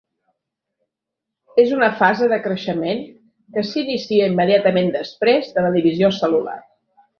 És una fase de creixement que s'inicia immediatament després de la divisió cel·lular.